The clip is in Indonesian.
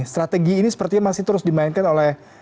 strategi ini sepertinya masih terus dimainkan oleh